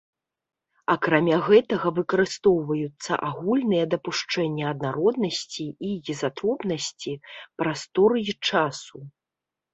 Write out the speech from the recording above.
Акрамя гэтага выкарыстоўваюцца агульныя дапушчэнні аднароднасці і ізатропнасці прасторы і часу.